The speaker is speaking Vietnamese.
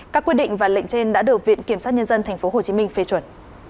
các quyết định và lệnh trên đã được viện kiểm sát nhân dân tp hcm phê chuẩn